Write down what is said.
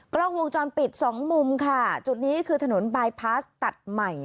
กล้องวงจรปิดสองมุมค่ะจุดนี้คือถนนบายพาสตัดใหม่